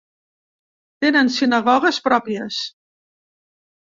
Tenen sinagogues pròpies.